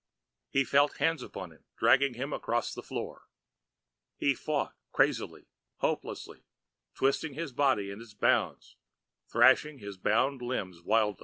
He felt hands upon himself, dragging him across the floor. He fought, crazily, hopelessly, twisting his body in its bonds, thrashing his bound limbs wildly.